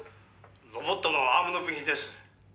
「ロボットのアームの部品です」